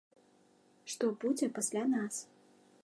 Што будзе пасля нас?